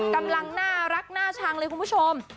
กำลังน่ารักน่าชังเลยคุณผู้ชม